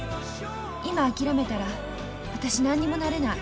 今諦めたら私何にもなれない。